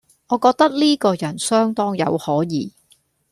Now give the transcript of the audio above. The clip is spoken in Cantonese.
我覺得呢個人相當有可疑